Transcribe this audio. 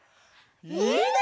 いいね！